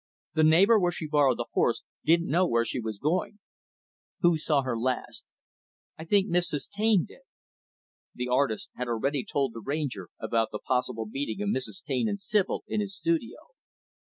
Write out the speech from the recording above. The neighbor where she borrowed the horse didn't know where she was going." "Who saw her last?" "I think Mrs. Taine did." The artist had already told the Ranger about the possible meeting of Mrs. Taine and Sibyl in his studio.